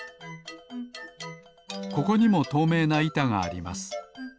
ここにもとうめいないたがあります。